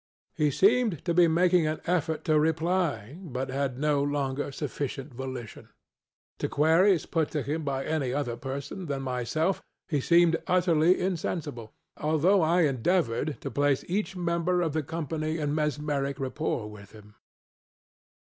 He seemed to be making an effort to reply, but had no longer sufficient volition. To queries put to him by any other person than myself he seemed utterly insensibleŌĆöalthough I endeavored to place each member of the company in mesmeric rapport with him.